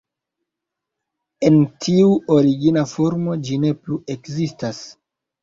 En tiu origina formo ĝi ne plu ekzistas.